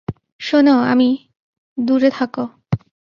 শোনো আমি-- -দূরে থাকো!